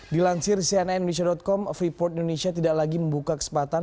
dilansir cnn indonesia com freeport indonesia tidak lagi membuka kesempatan